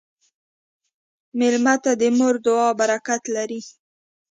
مېلمه ته د مور دعا برکت لري.